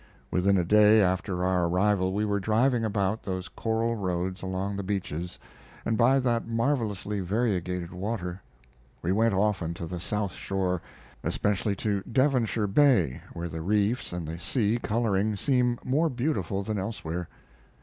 Within a day after our arrival we were driving about those coral roads along the beaches, and by that marvelously variegated water. We went often to the south shore, especially to Devonshire Bay, where the reefs and the sea coloring seem more beautiful than elsewhere.